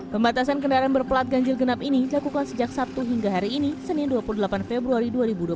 pembatasan kendaraan berplat ganjil genap ini dilakukan sejak sabtu hingga hari ini senin dua puluh delapan februari dua ribu dua puluh